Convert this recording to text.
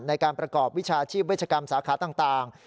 ในการประกอบวิชาชีพเวชกรรมสาขาต่าง